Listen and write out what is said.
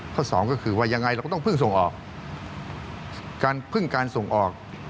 สองก็คือว่ายังไงเราก็ต้องเพิ่งส่งออกการพึ่งการส่งออก